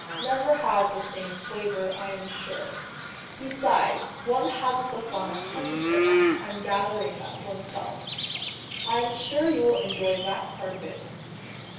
"never have the same flavour, I am sure. Besides, one hasn't the fun of hunting for them, and gathering them one's self. I am sure you will enjoy that part of it."